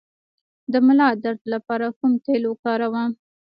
د ملا درد لپاره کوم تېل وکاروم؟